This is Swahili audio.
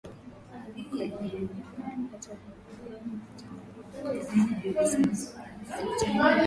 makoloni yalipata uhuru wao uliotangazwa mwaka elfumoja miasaba sabini na sita